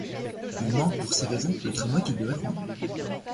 Il manque pour ces raisons le tramway qu'il devait prendre...